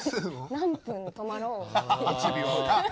何分止まろうって。